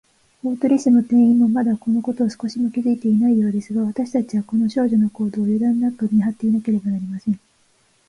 大鳥氏も店員も、まだ、このことを少しも気づいていないようですが、わたしたちは、この少女の行動を、ゆだんなく見はっていなければなりません。